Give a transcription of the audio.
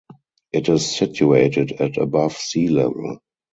It is situated at above sea level.